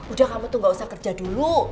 udah kamu tuh gak usah kerja dulu